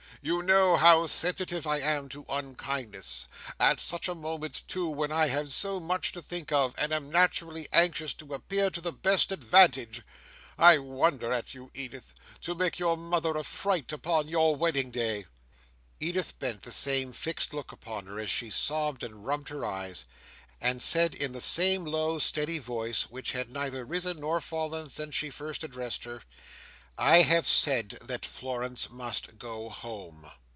You know how sensitive I am to unkindness. At such a moment, too, when I have so much to think of, and am naturally anxious to appear to the best advantage! I wonder at you, Edith. To make your mother a fright upon your wedding day!" Edith bent the same fixed look upon her, as she sobbed and rubbed her eyes; and said in the same low steady voice, which had neither risen nor fallen since she first addressed her, "I have said that Florence must go home."